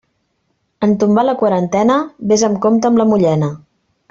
En tombar la quarantena, vés amb compte amb la mullena.